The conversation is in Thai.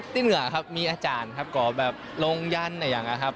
ที่เหนือครับมีอาจารย์ขอลงยันอะไรอย่างนั้นครับ